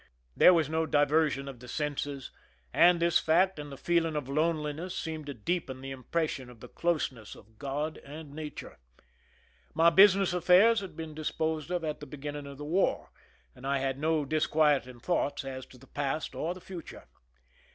There was no diversion of the senses, and this fact and the feeling of loneliness seemed to deepen the impression of the closeness of Grod and nature. My business affairs had been disposed of at the beginning of the war, and I had no dis quieting thoughts as to the past or the future.